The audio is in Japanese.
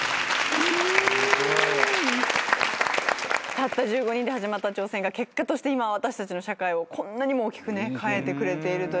たった１５人で始まった挑戦が結果として今私たちの社会をこんなにも大きく変えてくれている。